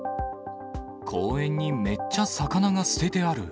公園にめっちゃ魚が捨ててある。